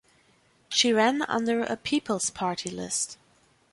She ran under a People's party list.